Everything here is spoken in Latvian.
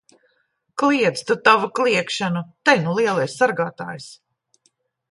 Kliedz tu tavu kliegšanu! Te nu lielais sargātājs!